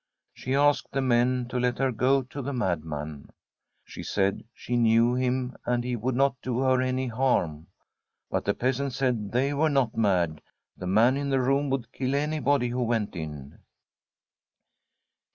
She asked the men to let her go to the mad man. She said she knew him, and he would not do her any harm ; but the peasants said they were *^'*♦^^ not mad. The man in the room would kill any body who went in.